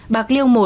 bạc liêu một